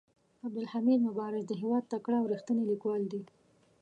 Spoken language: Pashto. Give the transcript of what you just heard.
عبدالحمید مبارز د هيواد تکړه او ريښتيني ليکوال دي.